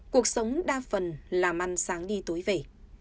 cuộc sống đa phần là măn sáng đi tối về